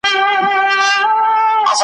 مخامخ وو د سلمان دوکان ته تللی .